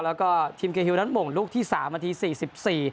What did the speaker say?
แล้วก็ทีมเกฮิวนั้นหม่งลูกที่สามนาทีสี่สิบสี่